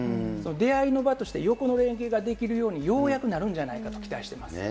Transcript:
出会いの場として横の連携ができるようにようやくなるんじゃないかと期待してます。